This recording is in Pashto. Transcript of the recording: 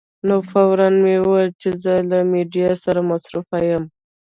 نو فوراً مې وویل چې زه له میډیا سره مصروف یم.